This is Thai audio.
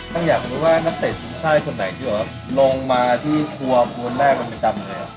น้องอยากรู้ว่านักเตะสุดช่ายคนไหนดีหรอลงมาที่ครัวครัวแรกเป็นประจำเลย